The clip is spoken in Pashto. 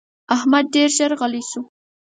احمد ډېر ژر غلی شو.